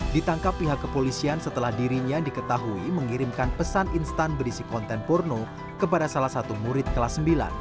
ditangkap pihak kepolisian setelah dirinya diketahui mengirimkan pesan instan berisi konten porno kepada salah satu murid kelas sembilan